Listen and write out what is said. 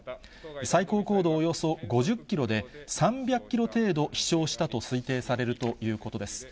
最高高度およそ５０キロで、３００キロ程度飛しょうしたと推定されるということです。